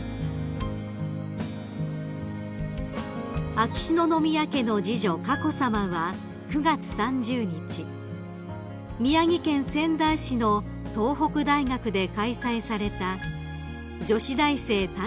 ［秋篠宮家の次女佳子さまは９月３０日宮城県仙台市の東北大学で開催された女子大生誕